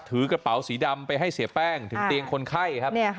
ถือกระเป๋าสีดำไปให้เสียแป้งถึงเตียงคนไข้ครับ